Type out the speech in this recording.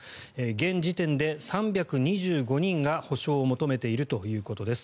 現時点で３２５人が補償を求めているということです。